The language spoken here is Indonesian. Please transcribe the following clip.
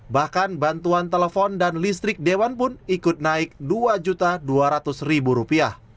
bahkan bantuan telepon dan listrik dewan pun ikut naik rp dua dua ratus